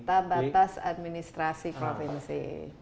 peta batas administrasi provinsi